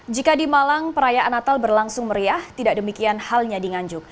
jika di malang perayaan natal berlangsung meriah tidak demikian halnya di nganjuk